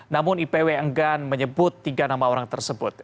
namun ipw enggan menyebut tiga nama orang tersebut